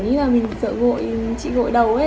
nhưng mà mình sợ chị gội đầu ấy